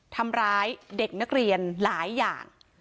ทำร้ายเด็กนักเรียนหลายอย่าง